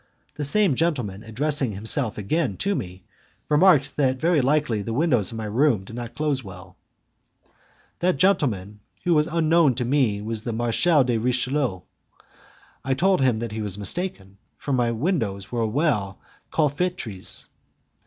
The same gentleman addressing himself again to me, remarked that very likely the windows of my room did not close well. That gentleman, who was unknown to me was the Marechal de Richelieu. I told him he was mistaken, for my windows were well 'calfoutrees'.